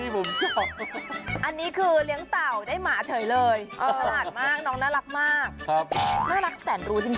ปลูกผักปุ้ง